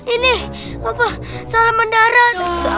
ini apa salamandaran